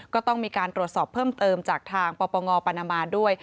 ก็ต้องมีการตรวจสอบเพิ่มเติมจากทางปปงปานามาด้วย